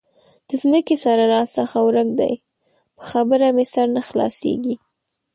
د ځمکې سره راڅخه ورک دی؛ په خبره مې سر نه خلاصېږي.